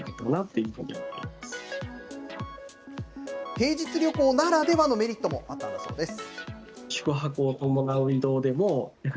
平日旅行ならではのメリットもあったんだそうです。